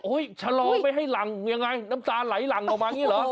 ชะลอไม่ให้หลังยังไงน้ำตาไหลหลั่งออกมาอย่างนี้เหรอ